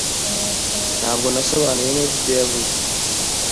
Ntabwo nasobanuye neza ibyo yavuze.